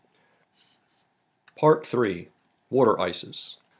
PART THREE. WATER ICES.